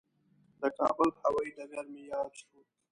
د کابل هوایي ډګر مې یاد شو.